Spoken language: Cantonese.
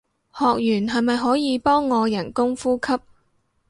學完係咪可以幫我人工呼吸